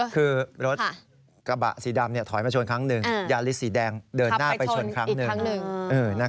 คือรถกระบะสีดำถอยมาชนครั้งหนึ่งยาลิสสีแดงเดินหน้าไปชนครั้งหนึ่ง